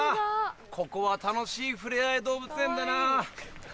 ここは楽しい触れ合い動物園だな。